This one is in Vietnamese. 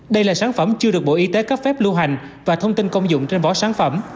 đây là sản phẩm chưa được bộ y tế cấp phép lưu hành và thông tin công dụng trên bỏ sản phẩm